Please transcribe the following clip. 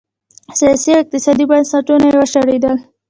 سیاسي او اقتصادي بنسټونه یې وشړېدل.